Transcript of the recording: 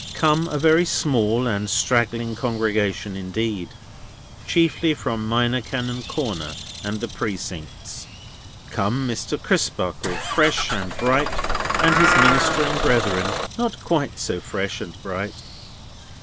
Come a very small and straggling congregation indeed: chiefly from Minor Canon Corner and the Precincts. Come Mr. Crisparkle, fresh and bright; and his ministering brethren, not quite so fresh and bright.